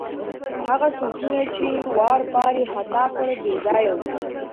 هغه سوچونه چې واروپار یې ختا کړ، بې ځایه وو.